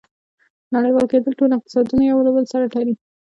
• نړیوال کېدل ټول اقتصادونه یو له بل سره تړي.